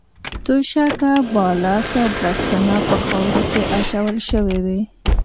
توشکه، بالښت او بړستنه په خاورو کې اچول شوې وې.